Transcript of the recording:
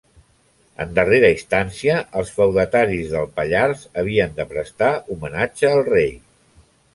En darrera instància, els feudataris del Pallars havien de prestar homenatge al rei.